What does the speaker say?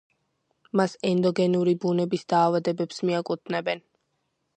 მას ენდოგენური ბუნების დაავადებებს მიაკუთვნებენ.